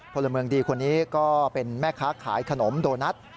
พลเมืองดีคนนี้ก็เป็นแม่ค้าขายขนมโดนัท